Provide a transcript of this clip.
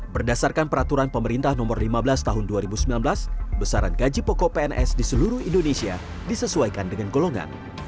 berdasarkan peraturan pemerintah nomor lima belas tahun dua ribu sembilan belas besaran gaji pokok pns di seluruh indonesia disesuaikan dengan golongan